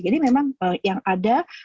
jadi memang yang ada